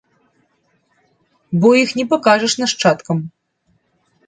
Бо іх не пакажаш нашчадкам.